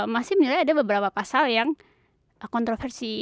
masih menilai ada beberapa pasal yang kontroversi